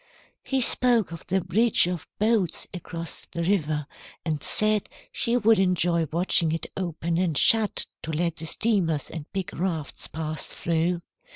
"He spoke of the bridge of boats across the river, and said she would enjoy watching it open and shut to let the steamers and big rafts pass through.